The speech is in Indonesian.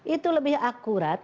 itu lebih akurat